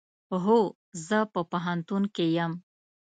هو، زه په پوهنتون کې یم